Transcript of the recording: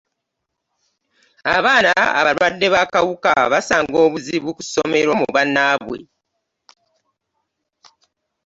Abaana abalwadde b'akawuka basanga obuzibu ku ssomero mu bannaabwe.